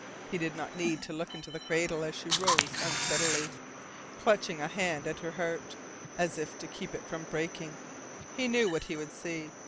He did not need to look into the cradle as she rose unsteadily, clutching a hand at her heart, as if to keep it from breaking. He knew what he would see.